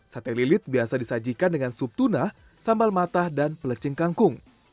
sate lilit biasa disajikan dengan sup tuna sambal matah dan pelecing kangkung